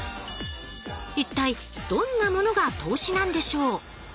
一体どんなものが投資なんでしょう？